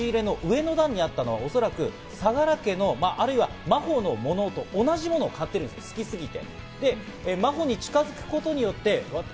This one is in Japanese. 菱田家の押し入れの上の段にあったのは、おそらく相良家の、あるいは真帆のものと同じものを買っているんです、好きすぎて。